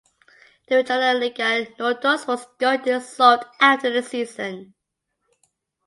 The Regionalliga Nordost was going dissolved after the season.